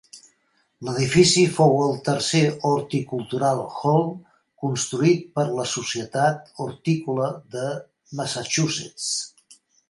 L'edifici fou el tercer "Horticultural Hall" construït per a la societat hortícola de Massachusetts.